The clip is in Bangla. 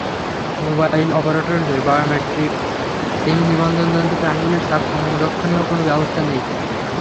মোবাইল অপারেটরদের বায়োমেট্রিক সিম নিবন্ধন যন্ত্রে আঙুলের ছাপ সংরক্ষণেরও কোনো ব্যবস্থা নেই।